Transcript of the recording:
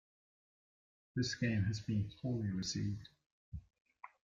This game has been poorly received.